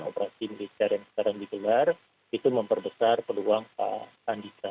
operasi militer yang sekarang digelar itu memperbesar peluang pak andika